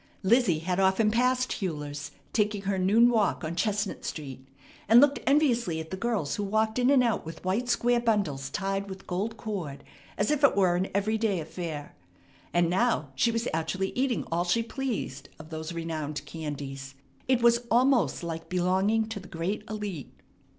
Lizzie had often passed Huyler's, taking her noon walk on Chestnut Street, and looked enviously at the girls who walked in and out with white square bundles tied with gold cord as if it were an everyday affair. And now she was actually eating all she pleased of those renowned candies. It was almost like belonging to the great élite.